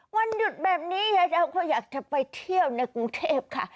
วันหยุดแบบนี้ยายดาวเขาอยากจะไปเที่ยวในกรุงเทพค่ะ